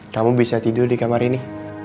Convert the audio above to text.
kamu bisa tidur di kamar ini